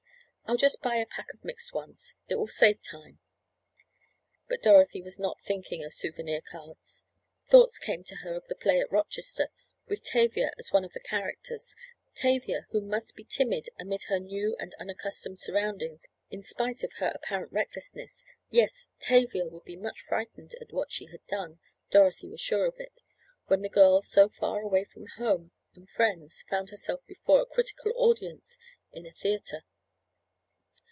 "I'll just buy a pack of mixed ones—it will save time." But Dorothy was not thinking of souvenir cards. Thoughts came to her of the play at Rochester, with Tavia as one of the characters—Tavia who must be timid amid her new and unaccustomed surroundings in spite of her apparent recklessness—yes, Tavia would be much frightened at what she had done, Dorothy was sure of it, when the girl, so far away from home and friends found herself before a critical audience in a theatre.